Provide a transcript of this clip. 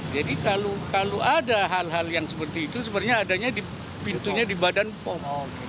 jadi kalau ada hal hal yang seperti itu sebenarnya adanya di pintunya di badan pom